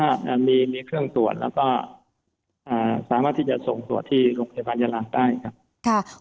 แล้วก็สามารถที่จะส่งตรวจที่โรงพยาบาลยะลาได้ครับ